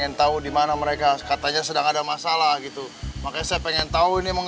ini mah berantem ini mah neng